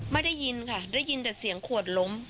ได้ยินค่ะได้ยินแต่เสียงขวดล้ม